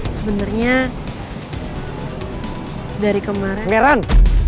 sebenernya dari kemarin